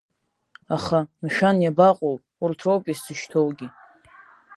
Аха, мшәан, иабаҟоу, урҭ роупеи сзышьҭоугьы.